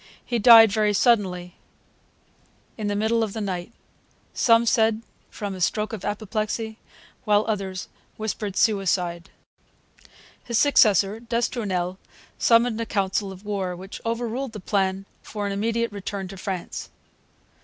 He died very suddenly, in the middle of the night; some said from a stroke of apoplexy, while others whispered suicide. His successor, d'Estournel, summoned a council of war, which overruled the plan for an immediate return to France.